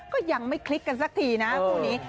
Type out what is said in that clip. ก็ยังไม่คลิกกันสักทีนะคู่นี้